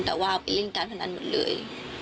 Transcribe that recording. แต่ว่าเอาไปเล่นการพนันหมดเลย